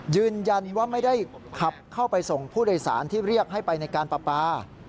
ยืนยันว่าไม่ได้ขับเข้าไปส่งผู้โดยสารที่เรียกให้ไปในการปลาปลา